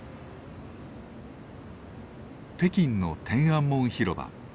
北京の天安門広場。